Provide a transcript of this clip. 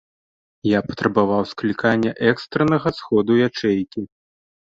Я патрабаваў склікання экстраннага сходу ячэйкі.